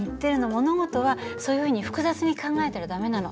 物事はそういうふうに複雑に考えたら駄目なの。